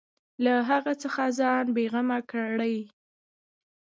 له هغه څخه ځان بېغمه کړي.